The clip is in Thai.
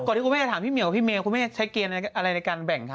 ที่คุณแม่จะถามพี่เหี่ยวกับพี่เมย์คุณแม่ใช้เกณฑ์อะไรในการแบ่งคะ